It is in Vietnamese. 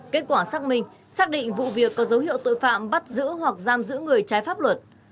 kết quả xác minh xác định vụ việc có dấu hiệu tội phạm bắt giữ hoặc giam giữ người trái pháp luật